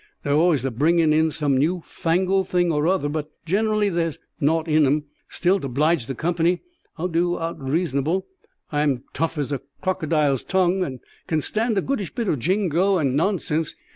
They're allays a bringin' in some new fangled thing or other, but generally there's nowt in 'em. Still, to 'blige the company, I'll do owt raisonable. I'm tough has a crocodile's tongue, and can stand a goodish bit o' jingo and nonsense.